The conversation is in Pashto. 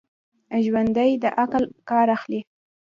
ژوندي د عقل کار اخلي